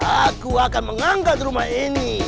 aku akan mengangkat rumah ini